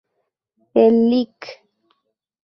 El Lic.